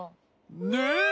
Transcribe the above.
ねえ！